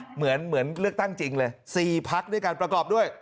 เหมือนเลือกตั้งจริงเลย๔พักด้วยการประกอบด้วย